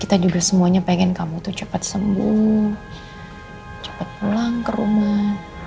kita juga semuanya pengen kamu tuh cepat sembuh cepat pulang ke rumah